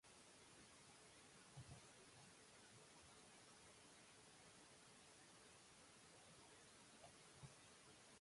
காரணம் கலத்தின் பக்கங்கள் கடத்திகளாக இருப்பதால் சுற்றுப்புறத்திற்கு வெப்பம் செல்கிறது.